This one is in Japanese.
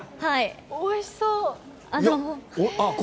おいしそう。